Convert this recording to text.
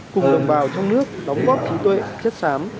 cùng đồng bào trong nước đóng góp trí tuệ chất sám